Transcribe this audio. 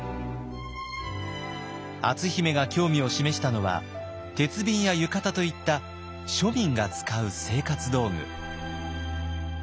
篤姫が興味を示したのは鉄瓶や浴衣といった庶民が使う生活道具。